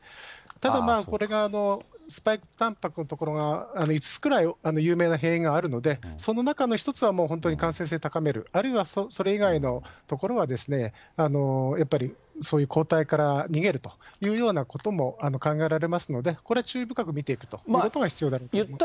ただまあ、これがスパイクたんぱくのところが５つくらい有名な変異があるので、その中の一つはもう本当に感染性高める、あるいはそれ以外のところは、やっぱりそういう抗体から逃げるというようなことも考えられますので、これは注意深く見ていくということが必要だろうと思います。